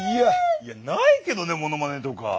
いやないけどねモノマネとか。